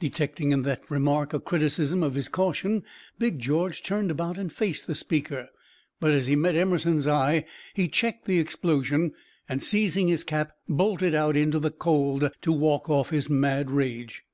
Detecting in this remark a criticism of his caution, Big George turned about and faced the speaker; but as he met Emerson's eye he checked the explosion, and, seizing his cap, bolted out into the cold to walk off his mad rage.